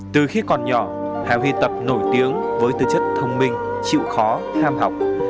từ khi còn nhỏ hà huy tập nổi tiếng với tư chất thông minh chịu khó ham học